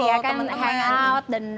kayak hangout dan